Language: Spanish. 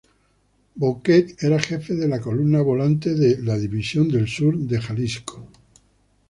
Bouquet era Jefe de de la Columna Volante de División del Sur de Jalisco.